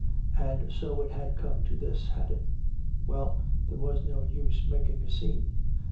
And so it had come to this, had it. Well, there was no use making a scene.